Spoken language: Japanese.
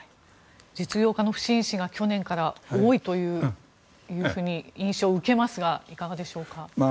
実業家の不審死が去年から多いというふうに印象を受けますがいかがでしょうか。